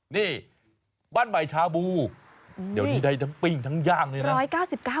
นี่บ้านใหม่ชาบูเดี๋ยวนี้ได้ทั้งปิ้งทั้งย่างเลยนะ